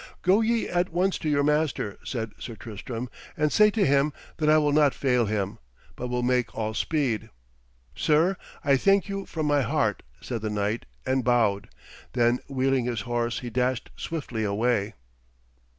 'Go ye at once to your master,' said Sir Tristram, 'and say to him that I will not fail him, but will make all speed.' 'Sir, I thank you from my heart,' said the knight, and bowed. Then wheeling his horse he dashed swiftly away.